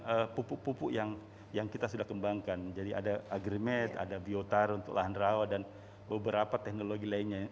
ada pupuk pupuk yang kita sudah kembangkan jadi ada agrimet ada biotar untuk lahan rawa dan beberapa teknologi lainnya